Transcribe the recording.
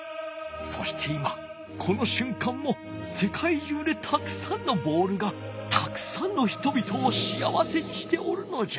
そして今このしゅんかんもせかいじゅうでたくさんのボールがたくさんの人々をしあわせにしておるのじゃ。